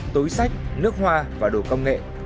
tối sách nước hoa và đồ công nghệ